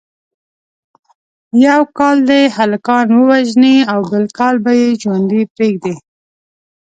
یو کال دې هلکان ووژني او بل کال به یې ژوندي پریږدي.